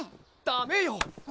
ダメよ！